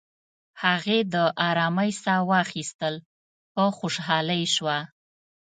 هغې د آرامی ساه واخیستل، په خوشحالۍ شوه.